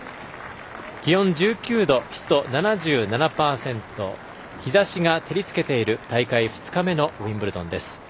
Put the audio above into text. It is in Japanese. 気温１９度、湿度７７％日ざしが照りつけている大会２日目のウィンブルドンです。